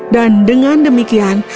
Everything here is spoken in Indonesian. dan dengan demikian